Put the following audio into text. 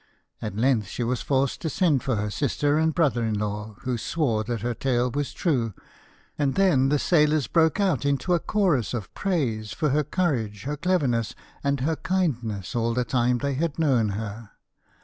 At length she was forced to send for her sister and brother in law, who swore that her tale was true, and then the sailors broke out into a chorus of praise of her courage, her cleverness, and her kindness, all the time that they had known her.